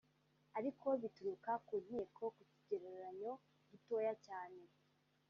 ariko bituruka ku nkiko ku kigereranyo gitoya cyane